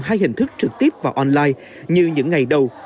hay hình thức trực tiếp và online như những ngày đầu